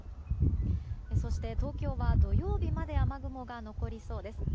そして東京は土曜日まで雨雲が残りそうです。